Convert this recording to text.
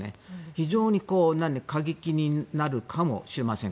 非常に過激になるかもしれません。